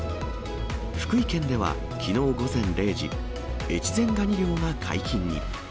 福井県ではきのう午前０時、越前がに漁が解禁に。